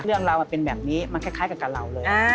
เรื่องราวมันเป็นแบบนี้มันคล้ายกับกับเราเลย